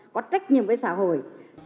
có trách nhiệm với xã hội